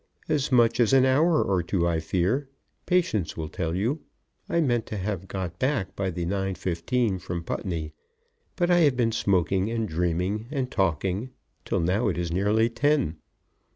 "As much as an hour or two, I fear. Patience will tell you. I meant to have got back by the 9.15 from Putney; but I have been smoking, and dreaming, and talking, till now it is nearly ten."